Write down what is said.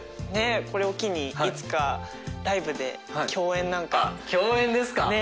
ねっこれを機にいつかライブで共演なんか共演ですか！